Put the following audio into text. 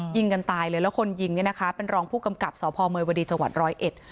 ยิงกันตายเลยแล้วคนนี้นะคะเป็นรองผู้กำกับสพเมวดีจร้อยเอส